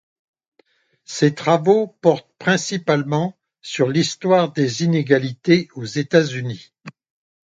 Ses travaux portent principalement sur l'histoire des inégalités aux États-Unis.